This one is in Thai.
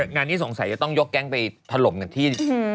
งานนี้สงสัยจะต้องยกแก๊งไปถล่มกันที่